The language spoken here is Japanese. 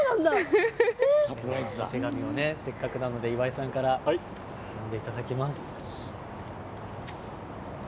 手紙をせっかくなので岩井さんから読んでいただきます。